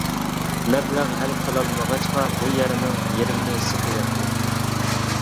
مەبلەغ ھەل قىلالمىغاچقا، بۇ يەرنىڭ يېرىمنى سېتىۋەتتى.